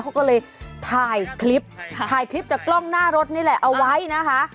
เขาก็เลยถ่ายคลิปถ่ายคลิปจากกล้องหน้ารถนี่แหละเอาไว้นะคะ